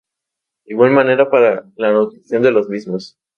De igual manera para la nutrición de los mismos.